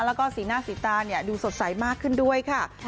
แล้วก็สีหน้าสีตาดูสดใสมากขึ้นด้วยค่ะ